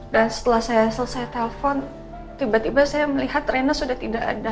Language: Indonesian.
dan setelah saya selesai telepon tiba tiba saya melihat reina sudah tidak ada